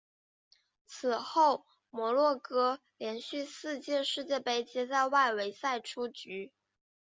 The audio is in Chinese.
此后摩洛哥连续四届世界杯皆在外围赛出局。